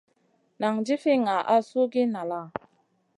Nan jifi ŋah suhgiya nala ?